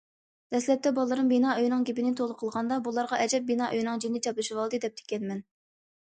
دەسلەپتە بالىلىرىم بىنا ئۆينىڭ گېپىنى تولا قىلغاندا‹‹ بۇلارغا ئەجەب بىنا ئۆينىڭ جىنى چاپلىشىۋالدى›› دەپتىكەنمەن.